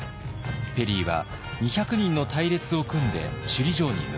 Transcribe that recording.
ペリーは２００人の隊列を組んで首里城に向かいます。